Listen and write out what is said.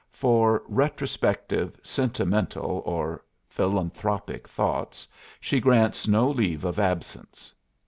For retrospective, sentimental, or philanthropic thoughts she grants no leave of absence.